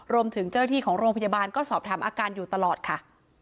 รวมถึงเจ้าหน้าที่ของโรงพยาบาลก็สอบถามอาการอยู่ตลอดค่ะ